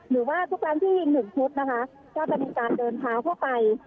หรือว่าทุกรำที่ยิ่ง๑๐๐๐ฟิลล์นะคะก็จะได้การเดินเท้าไป